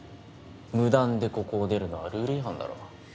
無断でここを出るのはルール違反だろ。